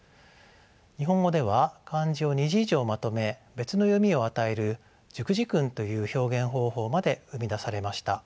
日本語では漢字を２字以上まとめ別の読みを与える熟字訓という表現方法まで生み出されました。